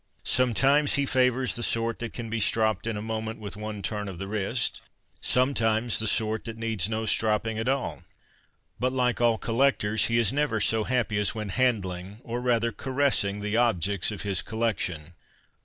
Sometimes he favours the sort that can be stropped in a moment with one turn of the wrist ; sometimes the sort that needs no stropping at all. But, like all collectors, he is never so happy as when handling, or rather caressing the objects of his collection.